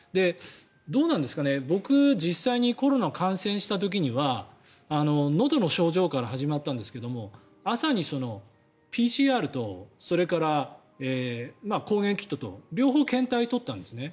どうなんですかね、僕は実際にコロナに感染した時にはのどの症状から始まったんですが朝にＰＣＲとそれから抗原キットと両方検体を採ったんですね。